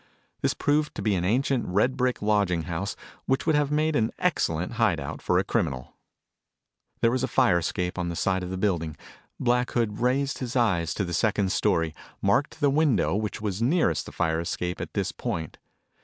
This proved to be an ancient red brick lodging house which would have made an excellent hideout for a criminal. There was a fire escape on the side of the building. Black Hood raised his eyes to the second story, marked the window which was nearest the fire escape at this point.